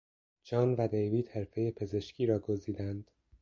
جان و دیوید حرفهی پزشکی را گزیدند.